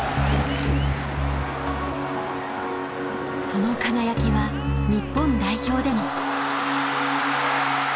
その輝きは日本代表でも。